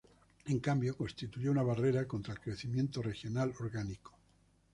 En cambio, constituyó una barrera contra el crecimiento regional orgánico.